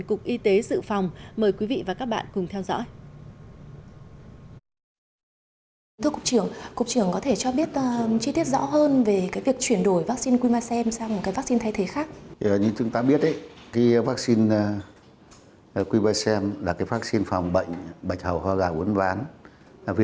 cục y tế dự phòng mời quý vị và các bạn cùng theo dõi